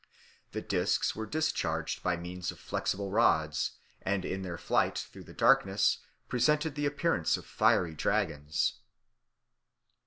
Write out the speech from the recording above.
The discs were discharged by means of flexible rods, and in their flight through the darkness presented the appearance of fiery dragons.